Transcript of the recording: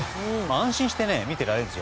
安心して見ていられます。